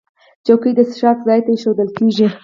چوکۍ د څښاک ځای ته ایښودل کېږي.